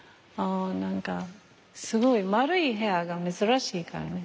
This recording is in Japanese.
何かすごい円い部屋が珍しいからね。